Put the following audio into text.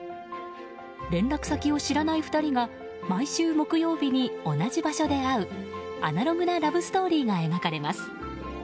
連絡先を知らない２人が毎週木曜日に同じ場所で会うアナログなラブストーリーが描かれます。